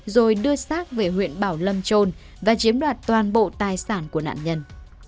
rồi đưa sát về huyện bảo lâm trồn và chiếm đoạt toàn bộ tài sản của nạn nhân